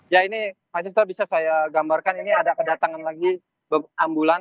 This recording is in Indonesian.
ya ini mahasiswa bisa saya gambarkan ini ada kedatangan lagi ambulan